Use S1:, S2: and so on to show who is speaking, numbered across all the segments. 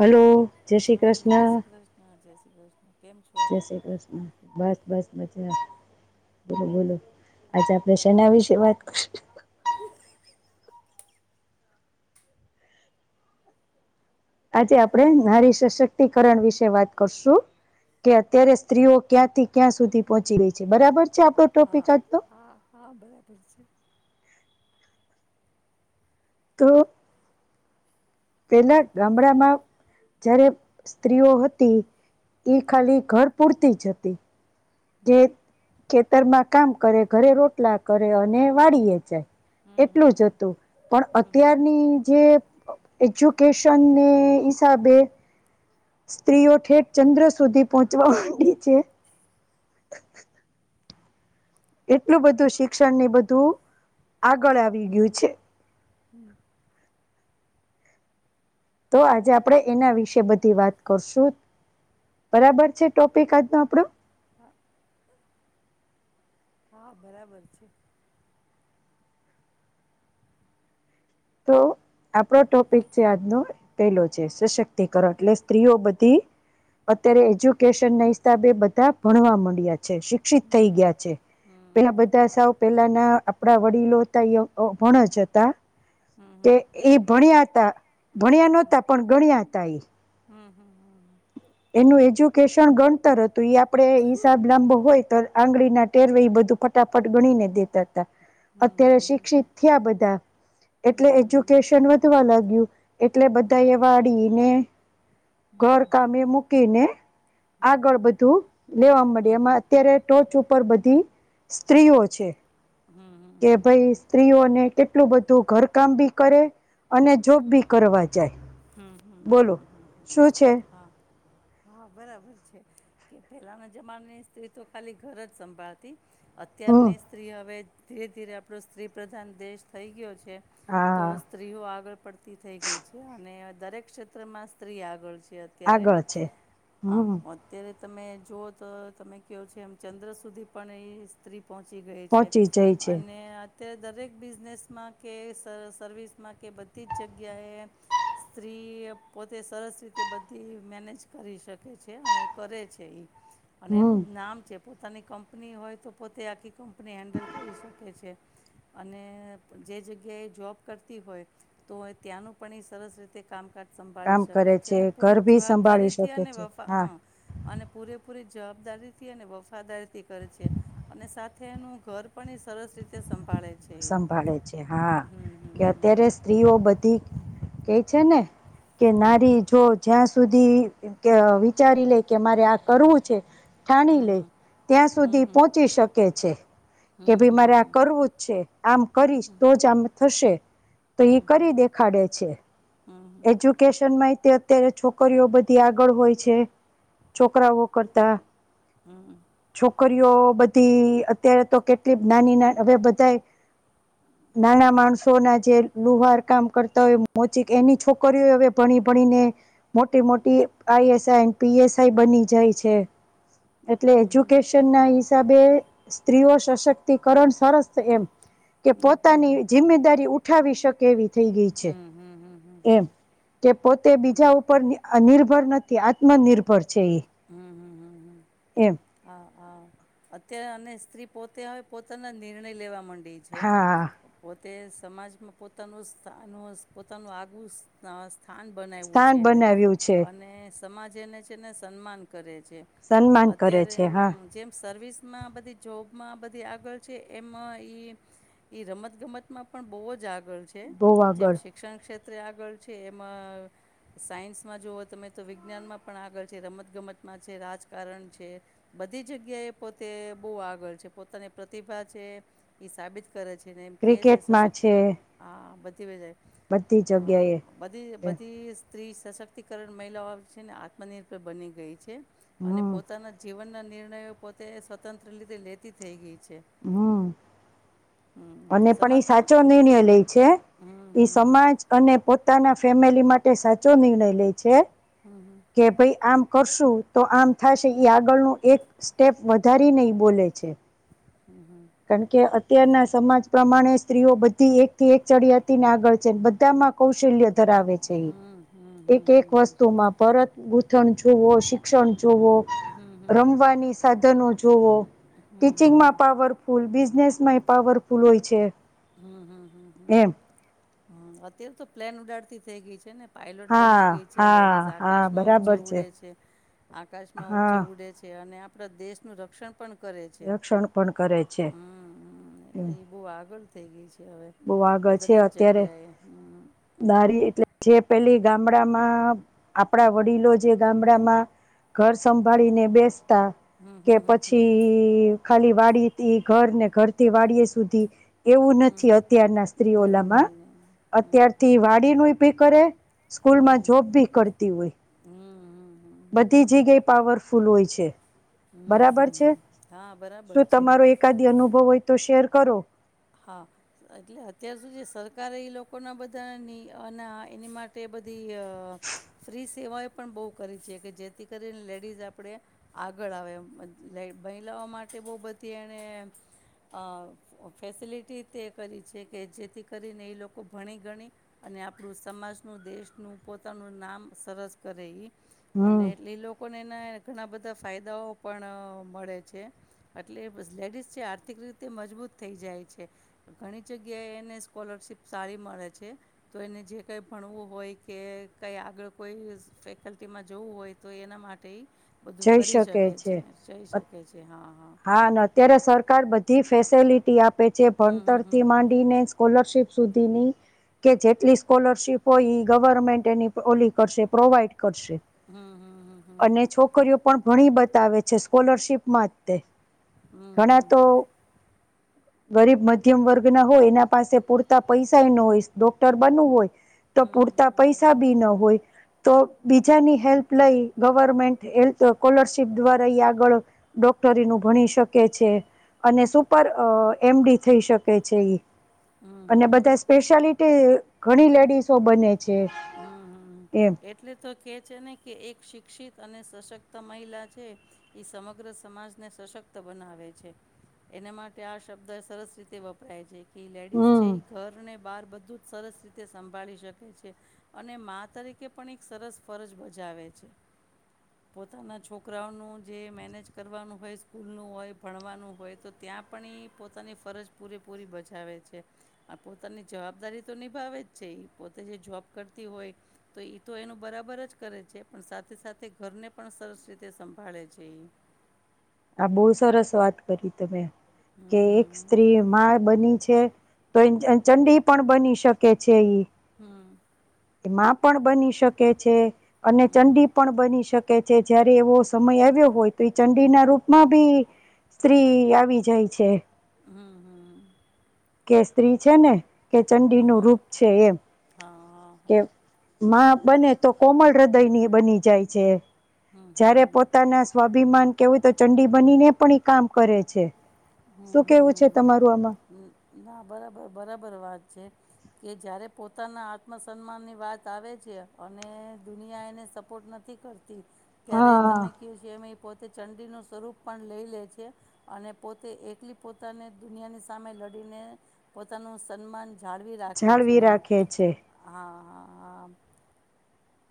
S1: Hello, જય શ્રી
S2: હમ જય
S1: કૃષ્ણ,
S2: શ્રી કૃષ્ણ જય શ્રી કૃષ્ણ કેમ છો?
S1: જય શ્રી કૃષ્ણ, બસ બસ. મજા. બોલો બોલો, આજે આપણે શેના વિશે વાત કરશું આજે આપડે નારી સશક્તિકરણ વિશે વાત કરશુ, કે અત્યારે સ્ત્રીઓ ક્યાંથી ક્યાં સુધી પહોંચી રહી છે. બરાબર. ચા કો ટોપિક
S2: હા
S1: આપ તો.
S2: હા હા બરાબર છે.
S1: તો પેલા ગામડામાં જ્યારે સ્ત્રીઓ હતી, ઈ ખાલી ઘર પૂરતી જ હતી. જે ખેતરમાં કામ કરે, ઘરે રોટલા કરે, અને વાડી એ જાય
S2: હમ
S1: એટલું જ
S2: હમ
S1: હતું, પણ
S2: હમ હમ.
S1: અત્યારની જે એજ્યુકેશનની હિસાબે સ્ત્રીઓ ઠેઠ ચંદ્ર સુધી પહોંચવા માંડી છે. એટલું બધું શિક્ષણ ને ઈ બધું આગળ આવી ગયું છે.
S2: હમ અ
S1: તો આજે આપણેે એના વિશે બધી વાત કરશું. બરાબર છે, ટોપિક આજનો આપણો.
S2: હા હા, બરાબર છે.
S1: તો આપડો ટોપિક છે આજનો પેલો છે, સશક્તિકરણ એટલે સ્ત્રીઓ બધી અત્યારે એજ્યુકેશન ના હિસાબે બધા ભણવા મડ્યા. છે શિક્ષિત થઈ
S2: હમ
S1: ગયા છે.
S2: હમ
S1: પેલા બધા સાવ પેલાના આપડા વડીલો હતા એ અભણ જ હતા.
S2: હમ
S1: કે
S2: હમ
S1: ઈ ભણ્યા હતા, ભણ્યા નોતા પણ ગણ્યા હતા ઈ.
S2: હમ હમ હમ
S1: એનું એજ્યુકેશન ગણતર હતુ. તો ઈ આપડે હિસાબ લાંબો હોય. પણ આંગળીના ટેરવે એ બધું ફટાફટ ગણીને દેતા.
S2: હમ હમ
S1: અત્યારે
S2: હમ હમ
S1: શિક્ષિત થયા બધા
S2: હમ
S1: એટલે
S2: હમ
S1: એજ્યુકેશન વધવા લાગ્યું. એટલે બધા એ વાળીને, ઘર, કામે મૂક કીને આગળ બધું લેવા મડયા. એમાં અત્યારે ટોચ ઉપર બધી સ્ત્રીઓ છે
S2: હમ
S1: કે ભાઈ, સ્ત્રીઓને એટલું બધું ઘરકામ બી કરે અને જોબ બી કરવા જ.
S2: હમ હમ હમ
S1: શું છે
S2: હા. હા બરાબર છે કે પેલાના જમાના ની સ્ત્રી તો ખાલી ઘર જ સંભાળતી.
S1: હમ
S2: અત્યારની સ્ત્રી હવે. ધીરે ધીરે આપડો સ્ત્રી પ્રધાન દેશ થઈ ગયો છે. તો
S1: આ
S2: સ્ત્રીઓ આગળ પડતી થઈ ગઈ છે. અને દરેક ક્ષેત્રમાં સ્ત્રી આગળ છે. અત્યારે
S1: આગળ છે
S2: હા
S1: હમ
S2: અત્યારે તમે જુઓ તો તમે કહો છે એમ ચંદ્ર સુધી પણ એ સ્ત્રી. પહોંચી ગઈ છે
S1: પહોંચી જાય છે
S2: અને. અ્યારે દરેક બિઝનેસમાં કે સર્વિસમાં કે બધી જ જગ્યાએ. સ્ત્રી પોતે સરસ રીતે બધી મેનેજ કરી શકે છે અને કરે છે ઇ અને
S1: હમ
S2: એનું નામ છે. પોતાની કંપની હોય તો પોતે આખી કંપ. આપણે હેન્ડલ કરી શકે છે. અને જે જગ્યાએ જોબ કરતી હોય તો ત્યાંનું પણ એ સરસ રીતે. તે કામ કર સંભાળી
S1: કામ કરે
S2: શકે છે અને
S1: ઘર
S2: પૂરી
S1: ભી સંભાળી
S2: જવાબદારીથી
S1: શકે
S2: અને
S1: છે
S2: વફા હા અને પૂરેપૂરી. જવાબદારીથી અને વફાદારીથી કરે છે અને સાથે એનું ઘર પણ એ સરસ રીતે. સંભાળે છે એ
S1: સંભાળે છે હા
S2: હમ
S1: કે
S2: હમ હમ
S1: અત્યારે
S2: હમ
S1: સ્ત્રીઓ બધી. કઈ છે ને. કે નારી જો જ્યાં. સુધી કે વિચારી લે કે મારે આ કરવું છે ઠાની લેય,
S2: હમ
S1: ત્યાં સુધી ઈ
S2: હમ હમ
S1: પહોચી શકે છે, કે ભાઈ
S2: હમ
S1: મારે આ કરવું જ છે, આમ કરીશ તો જ આમ થશે. તો
S2: હમ
S1: ઈ
S2: હમ
S1: કરી દેખાડે છે. એજ્યુકેશન માં એય તે અત્યારે છોકરીઓ બધી આગળ હોય છે, છોકરાઓ કરતા.
S2: હમ્મ.
S1: કર્યો બધી અત્યારે તો કેટલી નાની ના હવે બધા નાના માણસો ના જે લુહાર કામ કરતા હોય મોચીક ઘેની છોકરીઓ હવે ભણી ભણીને મોટી મોટી I S I P S I બની જાય છે. એટલે
S2: હમ હમ હમ
S1: એજ્યુકેશન ના હિસાબે સ્ત્રીઓ સશક્તિકરણ સરસ એમ. કે પોતાની જિમ્મેદારી ઉઠ ઉઠાવી શકે એવી. થઈ ગઈ છે
S2: હમ્મ હમ્મ હમ્મ હમ્મ
S1: એમ
S2: હમ્મ.
S1: કે પોતે બીજા ઉપર નિર અ નિર નિર્ભર નથી આત્મનિર્ભર છે એ.
S2: હમ્મ હમ્મ હમ્મ હમ્મ.
S1: એમ.
S2: હા હા અત્યારે અને સ્ત્રી પોતે હવે પોતાના નિર્ણય લેવા મંડી. લે છે.
S1: હા
S2: પો તે સમાજમાં પોતાનું સ્થાનહોય પોતાનું આગવુ સ્થા સ્થાન બનાવ્યું
S1: સ્થાન
S2: છે એને
S1: બનાવ્યું છે
S2: અને સમાજ એને છે ને સન્માન કરે છે.
S1: સન્માન કરે છે. હા
S2: [unintelligible] જેમ સર્વિસ માં બધી જોબ માં બધી આગળ છે એમ ઈ-ઈ રમત ગમત માં પણ બહુ જ આગ ળ છે
S1: બહુ
S2: જેમ
S1: આગળ
S2: શિક્ષણ ક્ષેત ત્રે આગળ છે, એમાં સાયન્સમાં જુઓ તમે તો વિજ્ઞાનમાં પણ આગળ છે, રમતગમતમાં છે, રાજકારણ છે. બધી જગ્યા એ પોતે બહું આગળ છે. પોતાની પ્રતિભા છે ઈ સાબિત કરે છે ને એમ કે છે
S1: ક્રિકેટમાં
S2: સશક્તી
S1: છે
S2: હા બધ [unintelligible]
S1: બધી જગ્યા એ.
S2: બધી સ્ત્રી સશક્તિકરણ મહિલાઓ આમ છે ને આત્મનિર્ભર બની ગઈ છે. અને
S1: હમ
S2: પોતાના જીવનના નિર્ણયો પોતે સ્વતંત્ર રીતે લેતી થઈ ગઈ. છે
S1: હમ.
S2: હમ
S1: અને પણ એ
S2: સમાજના
S1: સાચો નિર્ણય લે છે
S2: હમ
S1: એ
S2: હમ હમ
S1: સમાજ અને પો પોતાના ફેમિલી માટે સાચો નિર્ણય લે છે. કે ભઈ આમ કરશું તો આમ થાશે એ આગળનું એક સ્ટેપ વધારી ને બોલે છે. કણકે અ અત્યારના સમાજ પ્રમાણે સ્ત્રીઓ બધી એક થી એક ચડી હતી ને આગળ છે બધા માં કૌશલ્ય ધરાવે છે એક એક વસ્તુમાં પરત ગૂંથણ જુવો શિક્ષણ જોવ રમવાની સાધનો જુવો. ટીચિંગમાં પાવર બિઝનેસ માં એ પાવરફુલ હોય છે.
S2: હમ્મ હમ્મ હમ્મ
S1: એમ
S2: હમ્મ અત્યારે તો પ્લેન ઉડાડતી થઇ ગઈ છે ને. પાયલોટ
S1: હા
S2: બની ગઈ છે લેડીઝ
S1: હા હા
S2: આકાશમાં ઊંચે
S1: બરાબર
S2: ઉડે છે આકાશમાં ઊંચે
S1: હા
S2: ઉડે છે અને આપ દેશનું રક્ષણ પણ કરે છે
S1: રક્ષણ પણ કરે છે
S2: હમ એટલે એ બહ આગળ. તેવું છે. હવે
S1: બહ
S2: બ-
S1: આગળ છે
S2: દરેક
S1: અત્યારે
S2: જગ્યાએ હમ
S1: દારી એટલે જે. પેલી ગામડામાં આપડા વડીલો જે ગામડામાં ઘર સંભાળીને બેસતા કે પછી ખાલી વાડી ઘર ને ઘરથી વાડીએ સુધી એવું
S2: હમ
S1: અત્યારના
S2: નહીં
S1: સ્ત્રીઓલા માં
S2: નહીં નહીં હમ
S1: અત્યારથી વાડીનું. પી કર સ્કૂલમાં જોબ બી કરતી હોય
S2: હમ હમ હમ
S1: બધી જગ્યાએ પાવરફુલ હોય છે.
S2: હમ
S1: બરાબર
S2: હમ
S1: છે
S2: હમ હા બરાબર
S1: શું
S2: છે
S1: તમારો એકાદી અનુભવ હોય તો શેર કરો.
S2: હા એટલે અત્યાર સુધી સરકાર એ લોકો ના બધાનીના એની માટે બધી ઇ અ ફ્રીઝ સેવાએ પણ બહુ કરી છે કે જેથી કરીને લેડીઝ આપણે આગળ આવે મહિલાઓ માટે બહુ બધી એણે ફેસિલિટી તે કરી છે કે જેથી કરીને એ લોકો ભણી ગણી અને આપણું સમાજનું દેશનું પોતાનું નામ સરસ કરે એ.
S1: હમ
S2: અને એ લોકો ને ઘણા બધા ફાયદાઓ પણ મળે છે એટલે લેડીઝ છે આર્થિક રીતે મજબૂત થઈ જાય છે ઘણી જગ્યાએ એને સ્કોલરશિપ સારી મળે છે, તો એને જે કંઈ ભણવું હોય કે કંઈ આગળ કોઈ ફેકલ્ટીમાં જોવું હોય તો એના માટે ઈ
S1: જઈ શકે છે
S2: શકે છે હા
S1: હા અત્યારે સરકાર બધ તી ફેસેલિટી આપ. છે
S2: હમ હમ હમ
S1: ભણતરથી
S2: હમ
S1: માંડીને સ્કોલરશીપ સુધીની કે જેટલી સ્કોલરશીપ હોય એ ગવર્મેન્ટ એની ઓલી કરશે પ્રોવાઈડ કરશે
S2: હમ હમ હમ હમ
S1: અને છોક. ભણી બતાવે છે સ્કોલરશીપ માં જ તે.
S2: હમ
S1: ઘણા તો
S2: હમ
S1: ગરીબ મધ્યમ વર્ગ ના હોય એના પાસે પૂરતા પૈસા ઈ ન હોય ડોક્ટર બનવું હોય તો પૂરતા પૈસા બી ના હોય. તો બીજાની હેલ્પ લઈ ગવર્મેન્ટ હેલ્થ સ્કોલરશીપ દ્વારા એ આગળ ડૉક્ટરીનું ભણી શકે છે અને સુપર અ એમ ડી થઈ શકે છે ઈ.
S2: હમ
S1: અને બધા સ્પેશિયાલિ તો ઘણી લેડીસો બને. છે.
S2: હમ
S1: એમ
S2: એટલે તો કે છે ને કે એક શિક્ષિત અને સશક્ત મહિલા છે એ સમગ્ર સમાજને સશક્ત બનાવે છે એના માટે આ શબ્દ સરસ રીતેવપરાય છે. એ લેડીઝ છે
S1: હમ
S2: એ ઘર ને બહાર બધું જ સરસ રીતે સંભાળી શકે છે અને મા તરીકે કે પણ એક સરસ ફરજ બજાવે છે, પોતાના છોકરાઓનું જે મેનેજ કરવાનું હોય સ્કૂલનું હોય ભણવાનું હોય તો ત્યાં પણ એ પોતાની ફરજ પૂરેપૂરી બજાવે છે, આ પોતાની જવાબદારી તો નિભાવે જ છે એ પોતે જે જોબ કરતી હોય તો ઈ તો એનું બરાબર જ કરે છે પણ સાથે સાથે ઘરને પણ સરસ રીતે સંભાળે છે.
S1: આ બહુ સરસ વાત કરી તમે. કે એક
S2: હમ
S1: સ્ત્રી માં બની છે. તો ચંડી પણ બની શકે છે.
S2: હમ
S1: એ માં પણ બની શકે છે. અને
S2: હમ
S1: ચંડી પણ બની શકે. કે છે જયારે એવો સમય આવ્યો હોય તો એ ચંડી ના રૂપમાં બી સ્ત્રી આવી જાય છે.
S2: હમ હમ.
S1: કે સ્ત્રી છે ને કે ચંડીનું
S2: હમ
S1: રૂપ છે એમ.
S2: હા હા
S1: કે
S2: હા
S1: માં બને
S2: હા
S1: તો કોમલ હૃદયની બની જાય છે.
S2: હમ હમ
S1: જ્યારે
S2: હમ
S1: પોતાના સ્વાભિમાન કેવું તો ચંડી બનીને પણ એ કામ કરે છે. શું કેવું છે તમારું આમાં?
S2: હમ્મ, ના બરાબર-બરાબર વાત છે, કે જ્યારે પોતાના આત્મસન્માનની વાત આવે છે અને દુનિયા એને સપોર્ટ નથી કર ત્યારે તમે
S1: હા
S2: [unintelligible] એમેય પોત તે ચંડીનું સ્વરૂપ પણ લઈ લે છે અને પોતે એકલી પોતાને દુનિયાની સામે લડીને પોતાનું સન્માન જાણવી રાખે છે
S1: જાળવી
S2: ઈ
S1: રાખે છે
S2: હા. હા હા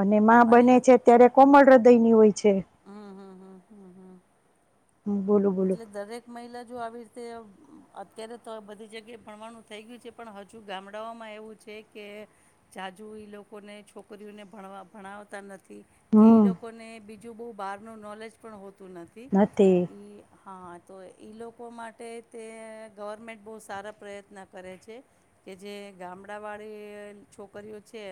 S1: અને માં બને છે ત્યારે કોમળ હૃદ દૈની હોય છે.
S2: હમ હમ હમ હમ હમ
S1: બોલું બોલું
S2: એટલે દરેક મહિલા હજુ આવી રીતે અત્યારે તો બધી જગ્યાએ ભણવાનું થઈ ગયું છે પણ હજુ ગામડાઓમાં એવું છે કે જાજુ એ લોકોને છોકરીઓને ભણવા ભણાવતા નથી. કે એ
S1: હમ
S2: લોકોને બી જો બહુ બહાર નું નોલેજ પણ હોત તો નથી એ હા તો એ લોકો માટે તે ગવર્મેન્ટ બહુ સારા પ્રયત્ન કરે છે કે જે ગામડાવાળી છોકરીઓ છે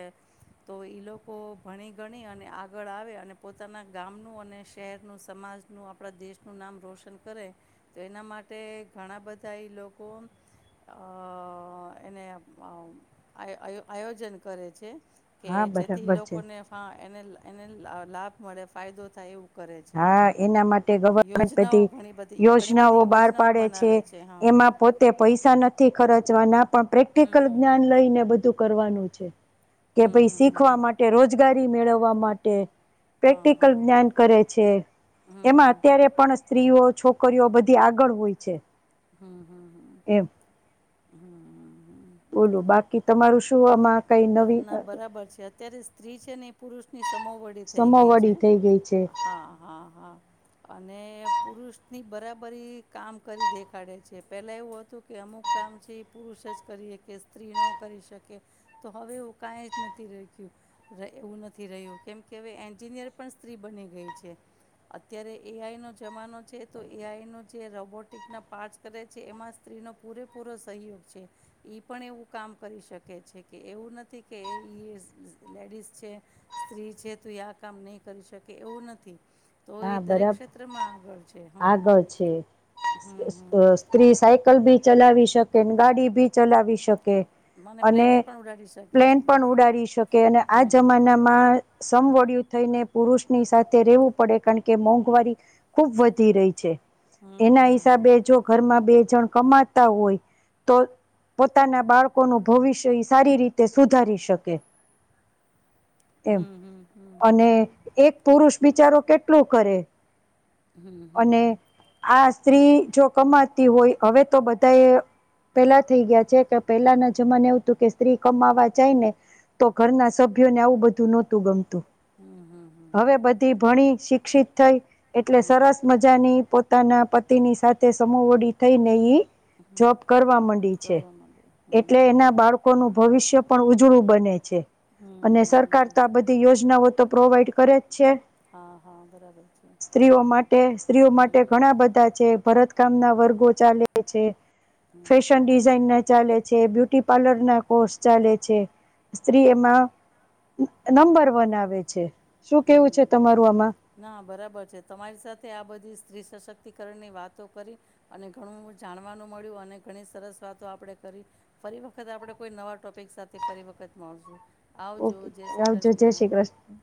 S2: તો એ લોકો ભણી ગણી અને આગળ આવે અને પોતાના ગામનું અને શહેરનું સમાજનું આપણા દેશનું નામ રોશન કરે તો એના માટે ઘણા બધા એ લોકો અ એને આ આ આયોજન કરે છે. કે
S1: હા
S2: જેથી
S1: બરાબર છે
S2: લોકોને ફા એને. એને લ લાભ મળે ફાયદો થાય એવું. કરે છે
S1: હા એના માટે ગ
S2: યોજનાઓ
S1: ગણપતિ
S2: ઘણી બધી ઘણી
S1: યોજનાઓ
S2: બધી
S1: બહાર
S2: યોજનાઓ
S1: પાડે છે
S2: બનાવે હા
S1: એમાં પોતે પૈસા નથી ખરચ જવાના પણ
S2: હમ હમ
S1: પ્રેક્ટિકલ જ્ઞાન લઈને બધું કરવાનું છે. કે
S2: હમ
S1: ભાઈ
S2: હમ હમ
S1: શીખવા
S2: હમ
S1: માટે રોજગારી ઈ મેળવવા માટે
S2: હા
S1: પ્રેક્ટિકલ
S2: હા
S1: જ્ઞાન કરે. છે,
S2: હમ હમ
S1: એમાં અત્યારે પણ સ્ત્રીઓ છોક છોકરીઓ બધી આગળ હોય છે.
S2: હમ. હમ. હમ હમ. હમ.
S1: બોલો, બાકી તમારું શું આમાં? કઈ
S2: બ
S1: નવી
S2: ના બરાબર છે. ત્યારે સ્ત્રી છે ને ઈ પુરુષની સમોવડી થઈ ગઈ છે.
S1: સમોવડી થઈ ગઈ છે
S2: હા હા હા. અને પુરુષની બરાબરી કામ કરી દેખાડે છે. પહેલાં એવું હતું કે અમુક કામ છે ઈ પુરુષ જ કરી શકે, સ્ત્રી નો કરી શકે. તો હવે એવું કાંઈ જ નથી રાખ્યું એવું નથી રહ્યું, કેમ કે હવે એન્જિનિયર પણ સ્ત્રી બની ગઈ છે. અત્યારે એઆઈનો જમાનો છે, તો એઆઈનો જે રોબોટિકના પાર્ટસ કદાચ એમાં સ્ત્રીનો પૂરેપૂરો સહયોગ છે ઈ પણ એવું કામ કરી શકે છે. કે એવું નથી કે ઈ લેડીઝ છે, સ્ત્રી છે તો એ આ કામ નઇ કરી શકે એવું નથી. તો એ
S1: હા,
S2: દરેક
S1: બરાબ
S2: ક્ષેત્રમાં આગળ છે હમ
S1: આગળ છે.
S2: હમ હમ
S1: સ્ત્રી સાયકલ બી ચલાવી શકેને ગાડી ભી ચલાવી શકે.
S2: મને
S1: કે અને
S2: પ્લેન પણ ઉડાડી શકે
S1: પ્લેન પણ ઉડાડી શકે અને આ જમાનામાં સમવડિયુ થઈને પુરુષની સાથે રેવું. પડે કારણ કે મોંઘવારી ખુબ વધી રહી છે.
S2: હમ
S1: એના
S2: હમ
S1: હિસાબે જો ઘરમાં બે બે જણ કમાતા હોય તો, પોતાના બાળકોનું ભવિષ્ય ઈ સારી રીતે સુધારી શકે.
S2: હમ
S1: એમ
S2: હમ હમ હમ
S1: અને
S2: હમ
S1: એક પુરુષ બિચારો કેટલું કરે?
S2: હમ્મ હમ્મ હમ્મ.
S1: અને આ સ્ત્રી જો કમાતી હોય હવે તો બધા એ પેલા થઈ ગયા છે કે પહેલાના જમાને એવું હતું કે સ્ત્રી કમાવા જાય ને તો ઘરના સભ્યોને આવું બધું નોતું ગમતું.
S2: હમ હમ
S1: હવે બધી ભણી શિક્ષિત થઇ. એટલે સરસ મજાની પોત પોતાના પતિની સાથે સમૂહવડી થઈ ને ઈ
S2: હમ
S1: જોબ કરવા માંડી છે
S2: કરો મને હમ
S1: એટલે
S2: હમ
S1: એના
S2: હમ
S1: બાળકોનું ભવિષ્ય પણ ઉજળું બને છે.
S2: હમ
S1: અને
S2: હમ હમ
S1: સરકાર
S2: હમ
S1: તો આ બધી યોજનાઓ તો પ્રોવાઈડ કરે જ છે.
S2: હા હા બરાબર છે
S1: સ્ત્રીઓ માટે, સ્ત્રીઓ
S2: હમ
S1: માટે
S2: હમ
S1: ઘણા બધા છે. ભરત કામ ના વર્ગો ચાલે છે.
S2: હમ
S1: ફશન ડિઝાઇન ના ચાલે. બ્યુટી પાર્લરના કોર્ષ ચાલે છે. સ્ત્રી એમાં નંબર વન આવે છે. શું કેવું છે તમારું? [unintelligible]
S2: હા બરાબર છે. તમારી સાથે આ બધી સ્ત્રી સશક્તિકરણની વાતો કરી અને ઘણું જાણવાનું મળ્યું અને ઘણી સરસ વાતો આપણે કરી ફરી વખત આપણે કોઈ નવા ટોપિક સાથે ફરી વખત મળશું. આવજો
S1: ઓકે
S2: જય શ્રી
S1: આવજો જય
S2: કૃષ્ણ
S1: શ્રી કૃષ્ણ.